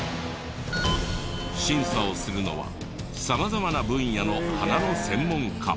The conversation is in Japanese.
審査をするのは様々な分野の花の専門家。